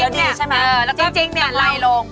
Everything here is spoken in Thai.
คือบอกว่ามันจะกินเหยื่อตัวใหญ่ไง